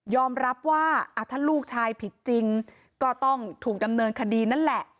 รับว่าถ้าลูกชายผิดจริงก็ต้องถูกดำเนินคดีนั่นแหละ